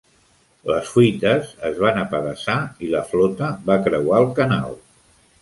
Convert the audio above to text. Les fuites es van apedaçar i la flota va creuar el canal.